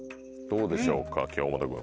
どうでしょうか京本君。